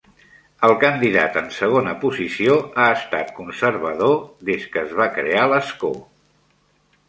El candidat en segona posició ha estat Conservador des que es va crear l'escó.